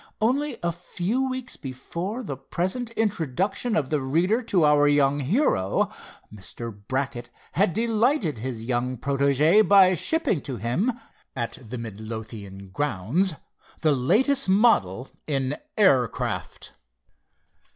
Only a few weeks before the present introduction of the reader to our young hero, Mr. Brackett had delighted his young protégé by shipping to him, at the Midlothian grounds, the latest model in air craft.